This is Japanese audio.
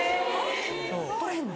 取れへんの？